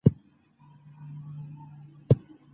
که ماشوم نارامه وي، مهربان اوسه.